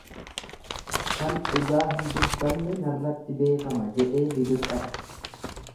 Kan dhugaa hin dubbanne narratti beekama jedhee bibir'ata.